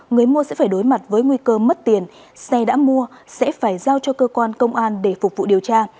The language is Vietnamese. người mua sẽ phải đối mặt với nguy cơ mất tiền xe đã mua sẽ phải giao cho cơ quan công an để phục vụ điều tra